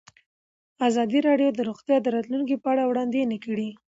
ازادي راډیو د روغتیا د راتلونکې په اړه وړاندوینې کړې.